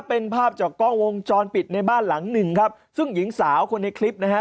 เป็นภาพจากกล้องวงจรปิดในบ้านหลังหนึ่งครับซึ่งหญิงสาวคนในคลิปนะฮะ